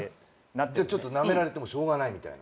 ちょっとなめられてもしょうがないみたいな？